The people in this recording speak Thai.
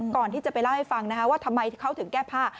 ก่อนที่จะไปเล่าให้ฟังนะคะว่าทำไมเขาถึงแก้ผ้า